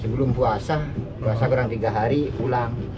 sebelum puasa puasa kurang tiga hari pulang